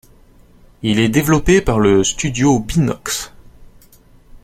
Il est développé par le studio Beenox.